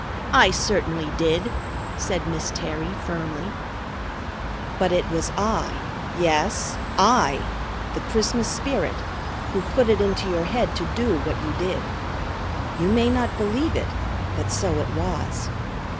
"I certainly did," said Miss Terry firmly. "But it was I, yes I, the Christmas Spirit, who put it into your head to do what you did. You may not believe it, but so it was.